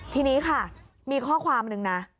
ทีนี้ค่ะมีข้อความหนึ่งนะ